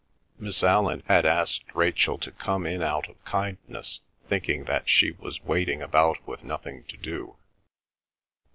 Miss Allan had asked Rachel to come in out of kindness, thinking that she was waiting about with nothing to do.